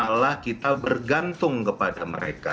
malah kita bergantung kepada mereka